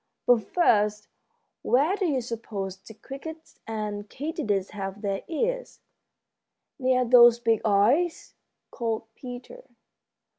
"But, first, where do you suppose the crickets and katydids have their ears?" "Near those big eyes," called Peter.